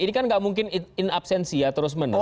ini kan gak mungkin in absensi ya terus menerus